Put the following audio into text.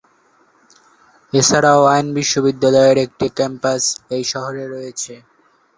এছাড়াও আইন বিশ্ববিদ্যালয়ের একটি ক্যাম্পাস এই শহরে রয়েছে।